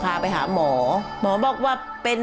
ร้องได้ให้ร้าง